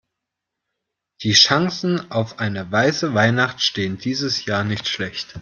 Die Chancen auf eine weiße Weihnacht stehen dieses Jahr nicht schlecht.